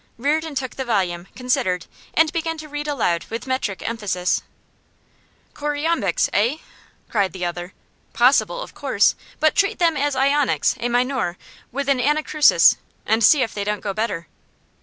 Reardon took the volume, considered, and began to read aloud with metric emphasis. 'Choriambics, eh?' cried the other. 'Possible, of course; but treat them as Ionics a minore with an anacrusis, and see if they don't go better.